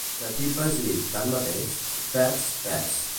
T'atipes i, tanmateix, perds pes.